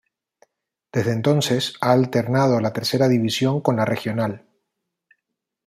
Desde entonces, ha alternado la Tercera División con la regional.